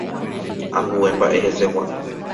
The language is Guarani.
Ambue mba'e hesegua.